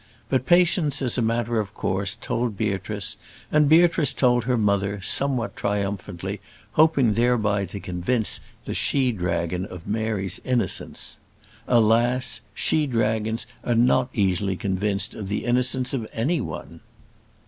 But Patience, as a matter of course, told Beatrice, and Beatrice told her mother, somewhat triumphantly, hoping thereby to convince the she dragon of Mary's innocence. Alas! she dragons are not easily convinced of the innocence of any one.